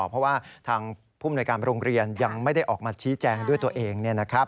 เพราะว่าทางผู้มนวยการโรงเรียนยังไม่ได้ออกมาชี้แจงด้วยตัวเอง